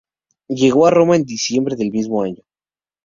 Llegó a Roma en diciembre del mismo año.